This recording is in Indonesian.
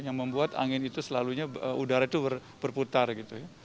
yang membuat angin itu selalunya udara itu berputar gitu ya